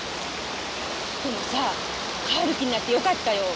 でもさ帰る気になってよかったよ。